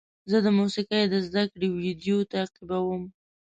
زه د موسیقۍ د زده کړې ویډیو تعقیبوم.